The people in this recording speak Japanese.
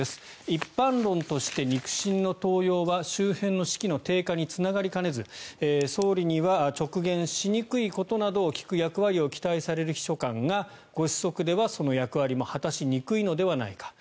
一般論として肉親の登用は周辺の士気の低下につながりかねず総理には直言しにくいことなどを聞く役割を期待される秘書官がご子息ではその役割も果たしにくいのではないか。